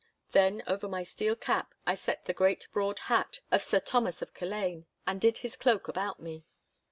Then over my steel cap I set the great broad hat of Sir Thomas of Culzean, and did his cloak about me.